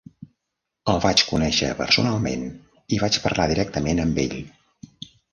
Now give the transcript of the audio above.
El vaig conèixer personalment i vaig parlar directament amb ell.